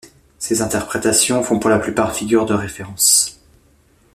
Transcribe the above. Ses interprétations font pour la plupart figure de référence.